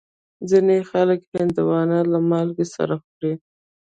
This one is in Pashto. ځینې خلک هندوانه له مالګې سره خوري.